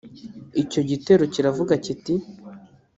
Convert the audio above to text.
Icyo gitero kiravuga kiti